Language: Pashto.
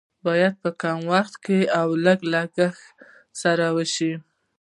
باید په کم وخت او لګښت سره وشي.